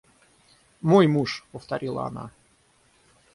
– Мой муж! – повторила она.